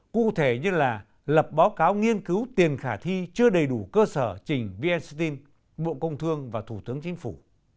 cụ thể như là lập báo cáo nghiên cứu tiền khả thi chưa đầy đủ cơ sở trình vn steel bộ công thương và thủ tướng chính phủ